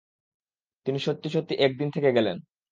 তিনি সত্যি-সত্যি এক দিন থেকে গেলেন।